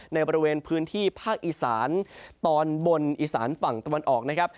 ในบริเวณพื้นที่ภาคอีสานตอนบนอีสานฝั่งตะวันออกนะครับ